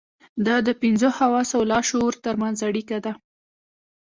دا د پنځو حواسو او لاشعور ترمنځ اړيکه ده.